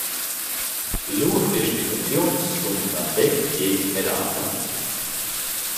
Lur destinaziuns sun Landeck e Maraun.